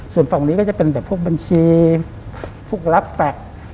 ส่วนของนี้เป็นผู้บัญชีผู้รักษฐกรรม